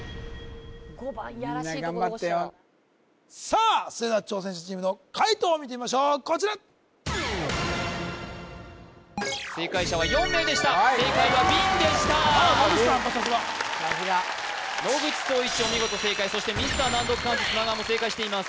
５番いやらしいとこ残したぞみんな頑張ってよさあそれでは挑戦者チームの解答を見てみましょうこちら正解者は４名でした正解はビンでしたああ野口さんやっぱさすが野口聡一お見事正解そしてミスター難読漢字砂川も正解しています